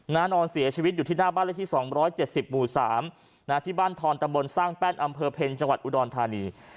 นอนเสียชีวิตอยู่ที่หน้าบ้านเลขที่๒๗๐หมู่๓ที่บ้านทอนตำบลสร้างแป้นอำเภอเพ็ญจังหวัดอุดรธานี